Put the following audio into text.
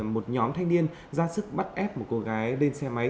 một nhóm thanh niên ra sức bắt ép một cô gái lên xe máy